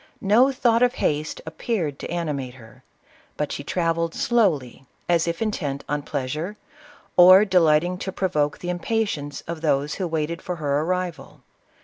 No thought of haste appeared to animate her ; but she travelled slowly, as if intent on pleasure, or delighting to provoke the impatience of those who waited for her arrival.